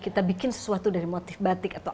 kita bikin sesuatu dari motif batik atau